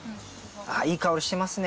あぁいい香りしてますね。